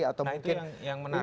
nah itu yang menarik ya